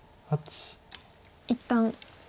一旦。